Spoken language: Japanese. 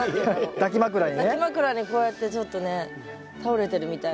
抱き枕にこうやってちょっとね倒れてるみたいな。